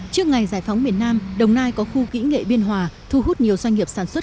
trước ngày giải phóng miền nam đồng nai có khu kỹ nghệ biên hòa thu hút nhiều doanh nghiệp sản xuất